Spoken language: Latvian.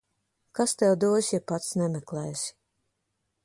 Kas tev dos, ja pats nemeklēsi.